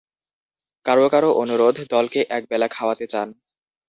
কারও কারও অনুরোধ, দলকে একবেলা খাওয়াতে চান।